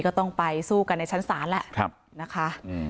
ก็ต้องไปสู้กันในชั้นศาลแหละนะคะ